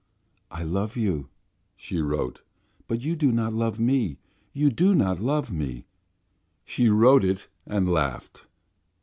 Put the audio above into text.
"I love you," she wrote, "but you do not love me, do not love me!" She wrote it and laughed.